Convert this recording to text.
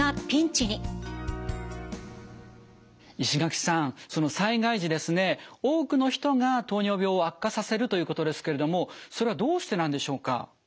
石垣さん災害時ですね多くの人が糖尿病を悪化させるということですけれどもそれはどうしてなんでしょうか。